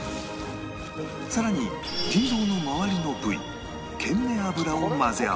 さらに腎臓の周りの部位ケンネ脂を混ぜ合わせる